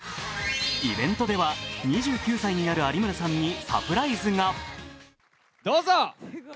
イベントでは２９歳になる有村さんにサプライズが。